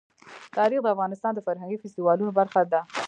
تاریخ د افغانستان د فرهنګي فستیوالونو برخه ده.